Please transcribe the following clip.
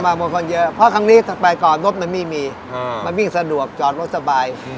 บางคนเยอะเพราะครั้งนี้ไปก่อนรถไม่มีมันวิ่งสะดวกจอดรถสบาย